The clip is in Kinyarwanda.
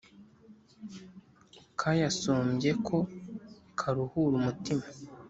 kayasumbye ko karuhura umutima,